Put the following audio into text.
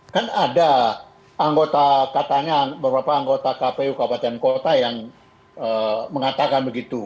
kan ada anggota katanya beberapa anggota kpu kabupaten kota yang mengatakan begitu